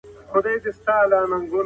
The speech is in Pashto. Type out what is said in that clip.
د رسا صاحب لیکنې ډېرې ښکلې دي.